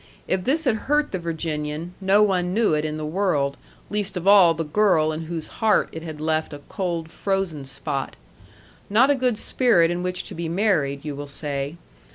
If this had hurt the Virginian, no one knew it in the world, least of all the girl in whose heart it had left a cold, frozen spot. Not a good spirit in which to be married, you will say.